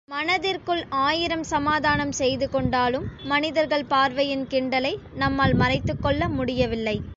மனதிற்குள் ஆயிரம் சமாதானம் செய்து கொண்டாலும், மனிதர்கள் பார்வையின் கிண்டலை, நம்மால் மறைத்துக் கொள்ள முடியவில்லை.